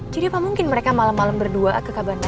jadi apa mungkin mereka malem malem berdua ke kabananya